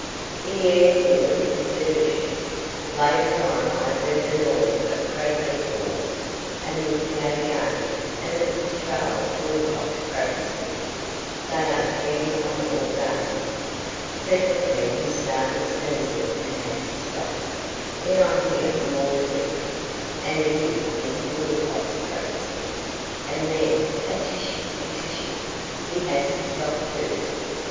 The air here is delicious. Later on I heard the noise of croquet balls, and looked out again, and it was Charles Wilcox practising; they are keen on all games. Presently he started sneezing and had to stop. Then I hear more clicketing, and it is Mr. Wilcox practising, and then, 'a tissue, a tissue': he has to stop too.